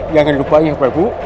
jangan lupa ya kudraku